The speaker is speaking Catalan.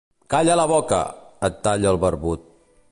Calla la boca! —el talla el barbut—.